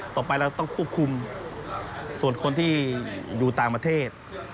ต่อไปเราต้องควบคุมส่วนคนที่อยู่ต่างประเทศ